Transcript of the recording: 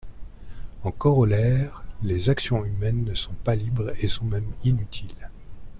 En corollaire, les actions humaines ne sont pas libres et sont même inutiles.